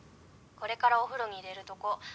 これからお風呂に入れるとこ。